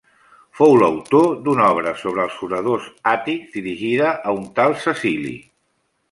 Fou l'autor d'una obra sobre els oradors àtics, dirigida a un tal Cecili.